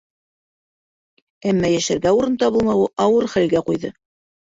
Әммә йәшәргә урын табылмауы ауыр хәлгә ҡуйҙы.